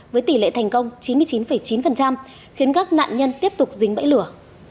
với tỷ lệ thành công chín mươi chín chín khiến các nạn nhân tiếp tục dính bẫy lửa